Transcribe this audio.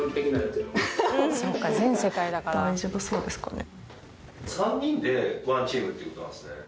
「そうか全世界だから」大丈夫そうですかね。